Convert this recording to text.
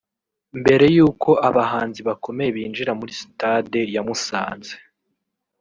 Mbere y’uko abahanzi bakomeye binjira muri stade ya Musanze